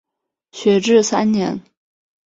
学制三年。